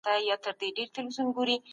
د ادب شننه د روڼ اندو شخصیتونو کار دئ.